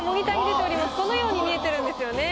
このように見えてるんですよね。